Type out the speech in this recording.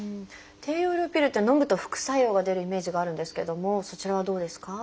低用量ピルってのむと副作用が出るイメージがあるんですけどもそちらはどうですか？